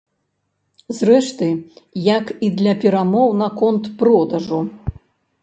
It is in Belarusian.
Зрэшты, як і для перамоў наконт продажу.